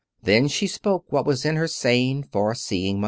Then she spoke what was in her sane, far seeing mind.